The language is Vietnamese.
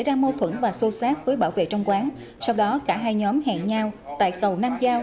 vẫn và sâu sát với bảo vệ trong quán sau đó cả hai nhóm hẹn nhau tại cầu nam giao